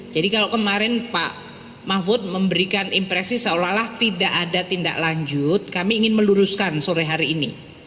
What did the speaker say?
jadi kalau kemarin pak mahfud memberikan impresi seolah olah tidak ada tindak lanjut kami ingin meluruskan sore hari ini